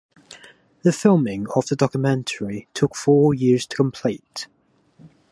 The filming of the documentary took four years to complete.